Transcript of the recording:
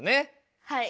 はい。